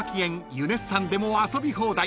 ユネッサンでも遊び放題］